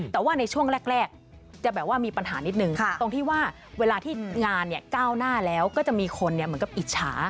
แต่ว่าในช่วงแรกจะแบบว่ามีปัญหานิดนึงตรงที่ว่าเวลาที่งานก้าวหน้าแล้วก็จะมีคนเหมือนกับอิจฉา